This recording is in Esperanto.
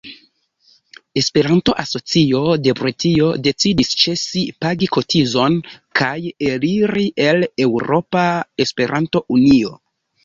Esperanto-Asocio de Britio decidis ĉesi pagi kotizon kaj eliri el Eŭropa Esperanto-Unio.